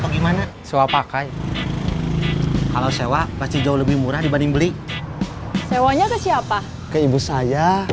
gimana sewa pakai kalau sewa pasti jauh lebih murah dibanding beli sewanya ke siapa ke ibu saya